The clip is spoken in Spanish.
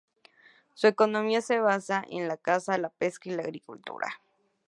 Su economía se basa en la caza, la pesca y la agricultura.